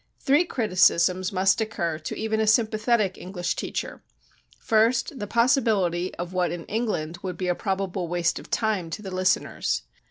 "Three criticisms must occur to even a sympathetic English teacher: first, the possibility of what in England would be a probable waste of time to the listeners.